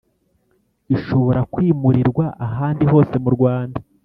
Ishobora kwimurirwa ahandi hose mu Rwanda